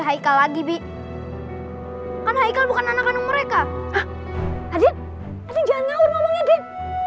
haikal lagi bi kan haikal bukan anak anak mereka ading ading jangan ngawur ngomongnya den